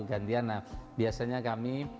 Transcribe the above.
gantian nah biasanya kami